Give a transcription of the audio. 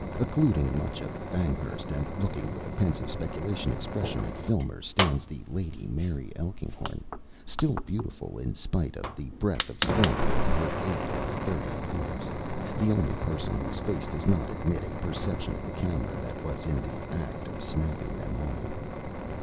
Occluding much of Banghurst, and looking with a pensive, speculative expression at Filmer, stands the Lady Mary Elkinghorn, still beautiful, in spite of the breath of scandal and her eight and thirty years, the only person whose face does not admit a perception of the camera that was in the act of snapping them all.